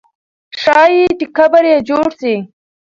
ښایي چې قبر یې جوړ سي.